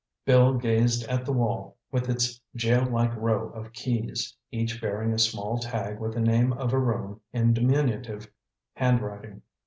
Bill gazed at the wall with its jail like row of keys, each bearing a small tag with the name of a room in diminutive handwriting.